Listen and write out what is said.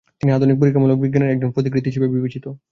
তিনি আধুনিক পরীক্ষামূলক বিজ্ঞানের একজন পথিকৃৎ হিসেবে বিবেচিত।